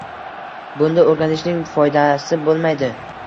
Bunda o’rganishning foydasi bo’lmaydi.